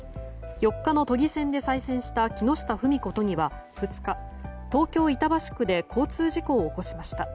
４日の都議選で再選した木下富美子都議は２日に東京・板橋区で交通事故を起こしました。